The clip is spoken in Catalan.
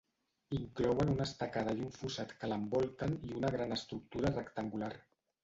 Inclouen una estacada i un fossat que l'envolten i una gran estructura rectangular.